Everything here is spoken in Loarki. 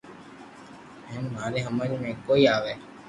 ھين ماري ھمج ۾ ڪوئي آوي